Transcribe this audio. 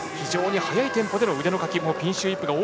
速いテンポでの腕のかきです。